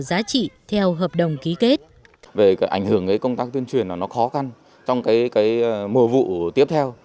giá trị theo hợp đồng ký kết